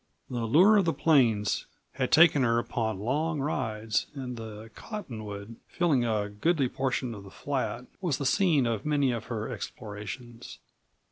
The lure of the plains had taken her upon long rides, and the cottonwood, filling a goodly portion of the flat, was the scene of many of her explorations.